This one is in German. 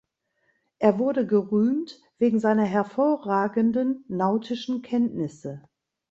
Er wurde gerühmt wegen seiner hervorragenden nautischen Kenntnisse.